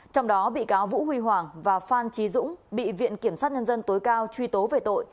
trong đó bị cáo vũ huy hoàng và phan trí dũng bị viện kiểm sát nhân dân tối cao truy tố về tội